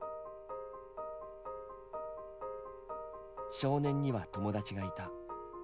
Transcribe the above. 少年には友達がいた。